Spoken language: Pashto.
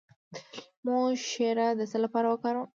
د لیمو شیره د څه لپاره وکاروم؟